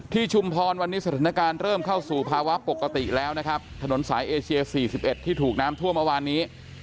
ชุมพรวันนี้สถานการณ์เริ่มเข้าสู่ภาวะปกติแล้วนะครับถนนสายเอเชีย๔๑ที่ถูกน้ำท่วมเมื่อวานนี้